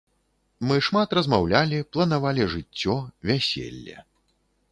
Мы шмат размаўлялі, планавалі жыццё, вяселле.